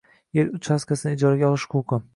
Yer uchastkasini ijaraga olish huquqi